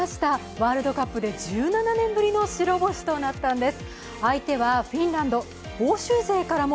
ワールドカップで１７年ぶりの白星となったんです。